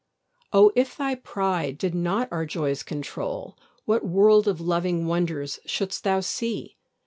O, if thy pride did not our joys control, What world of loving wonders should'st thou see!